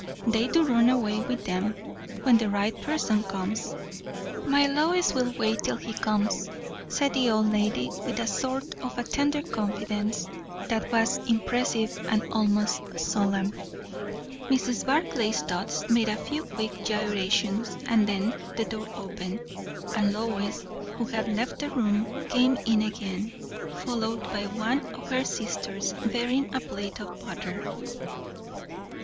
They do run away with them, when the right person comes." "My Lois will wait till he comes," said the old lady, with a sort of tender confidence that was impressive and almost solemn. Mrs. Barclay's thoughts made a few quick gyrations; and then the door opened, and Lois, who had left the room, came in again, followed by one of her sisters bearing a plate of butter.